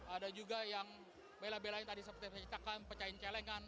ada juga yang bela belain tadi seperti pecakam pecahin celengan